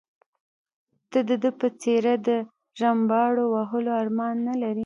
ته د ده په څېر د رمباړو وهلو ارمان نه لرې.